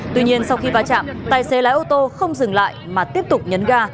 tuy nhiên sau khi va chạm tài xế lái ô tô không dừng lại mà tiếp tục nhấn ga